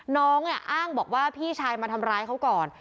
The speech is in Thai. น้องอ้างบอกว่าพี่ชายมาทำร้ายเขาก่อน